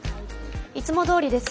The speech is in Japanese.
いつもどおりです。